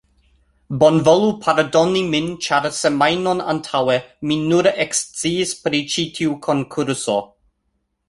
Bonvolu pardoni min ĉar semajnon antaŭe, mi nur eksciis pri ĉi tiu konkurso